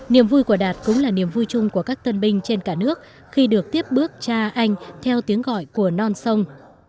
niềm vui của đạt cũng là niềm vui chung của các tân binh trên cả nước khi được tiếp bước cha anh theo tiếng gọi của non sông